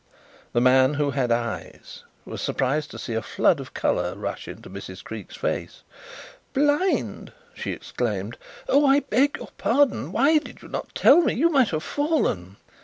The man who had eyes was surprised to see a flood of colour rush into Mrs. Creake's face. "Blind!" she exclaimed, "oh, I beg your pardon. Why did you not tell me? You might have fallen."